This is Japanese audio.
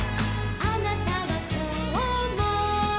「あなたはきょうも」